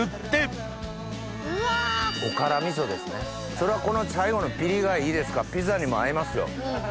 そらこの最後のピリがいいですからピザにも合いますよ。